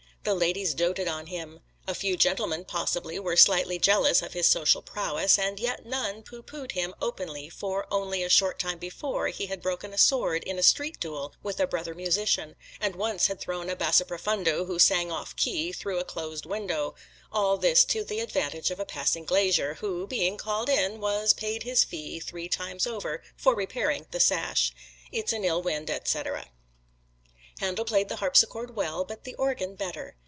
The ladies doted on him. A few gentlemen, possibly, were slightly jealous of his social prowess, and yet none pooh poohed him openly, for only a short time before he had broken a sword in a street duel with a brother musician, and once had thrown a basso profundo, who sang off key, through a closed window all this to the advantage of a passing glazier, who, being called in, was paid his fee three times over for repairing the sash. It's an ill wind, etc. Handel played the harpsichord well, but the organ better.